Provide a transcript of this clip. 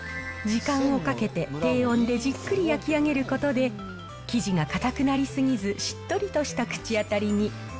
時間をかけて低温でじっくり焼き上げることで、生地が固くなり過ぎず、しっとりとした口当たりに。